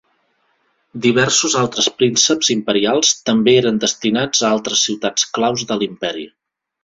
Diversos altres prínceps imperials també eren destinats a altres ciutats claus de l'imperi.